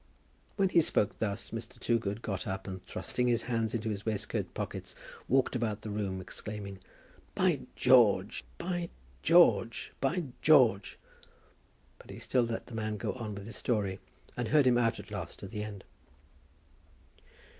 When he spoke thus, Mr. Toogood got up, and thrusting his hands into his waistcoat pockets walked about the room, exclaiming, "By George, by George, by George!" But he still let the man go on with his story, and heard him out at last to the end.